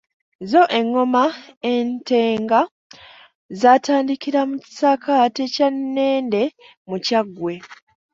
Zo engoma entenga zaatandikira mu kisaakaaate kya Nnende mu Kyaggwe .